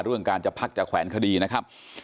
เรื่องการจะพักจะแขวนคดีนะครับ